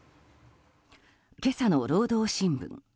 今朝の労働新聞。